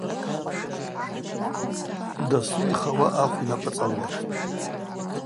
Дасу йхауа ахв йнапӏыцӏалуаштӏ.